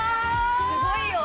すごいよ。